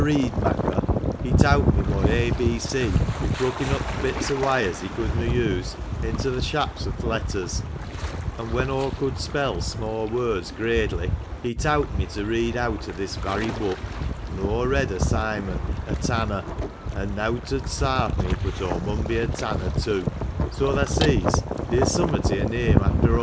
reed makker, he towt mi moi A B C wi' crookin' up th1 bits o' wires he couldna use into th' shaps o' th' letters ; an' when aw could spell sma' words gradely*, he towt me to read out o' this varry book ; an aw read o' Simon, a tanner, an* nowt 'ud sarve mi but aw mun be a tanner too; so tha sees theer's summat i' a neame after o'."